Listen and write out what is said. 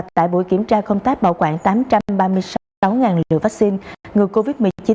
tại buổi kiểm tra công tác bảo quản tám trăm ba mươi sáu liều vaccine ngừa covid một mươi chín